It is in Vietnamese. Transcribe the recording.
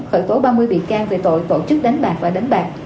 khởi tố ba mươi bị can về tội tổ chức đánh bạc và đánh bạc